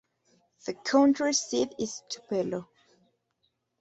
The county seat is Tupelo.